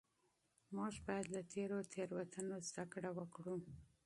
موږ باید له تیرو تېروتنو زده کړه وکړو.